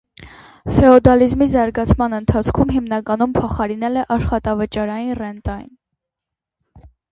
Ֆեոդալիզմի զարգացման ընթացքում հիմնականում փոխարինել է աշխատավճարային ռենտային։